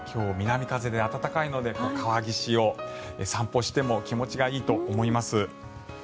南風が吹いているので川岸を散歩しても気持ちがいいと思います。